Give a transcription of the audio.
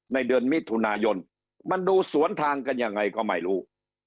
ในเดือนมิถุนายนมันดูสวนทางกันยังไงก็ไม่รู้